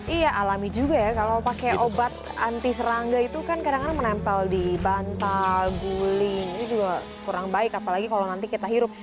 iya alami juga ya kalau pakai obat anti serangga itu kan kadang kadang menempel di bantal guling ini juga kurang baik apalagi kalau nanti kita hirup